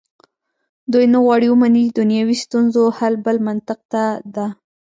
دوی نه غواړي ومني چې دنیوي ستونزو حل بل منطق ته ده.